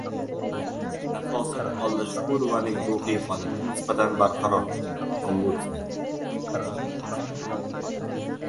«Nafosat Ollashukurovaning ruhiy holati nisbatan barqaror» — Ombudsman